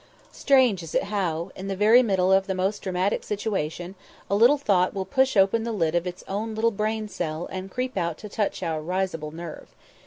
Strange is it how, in the very middle of the most dramatic situation, a little thought will push open the lid of its own little brain cell and creep out to touch our risible nerve.